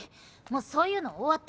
もうそういうの終わったから。